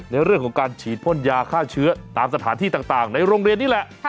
ในเรื่องของการฉีดพ่นยาฆ่าเชื้อตามสถานที่ต่างในโรงเรียนนี่แหละ